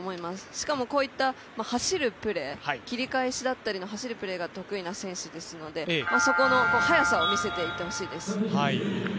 しかもこういった走るプレー、切り返しだったりの走るプレーが得意な選手ですのでそこの速さを見せていってほしいです。